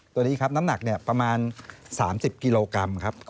ตัวนี้ครับน้ำหนักประมาณ๓๐กิโลกรัมครับ